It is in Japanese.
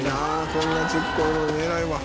こんなちっこいのに偉いわ」